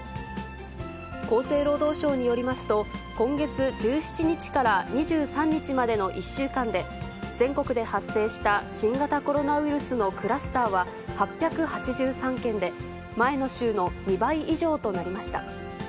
厚生労働省によりますと、今月１７日から２３日までの１週間で、全国で発生した新型コロナウイルスのクラスターは８８３件で、前の週の２倍以上となりました。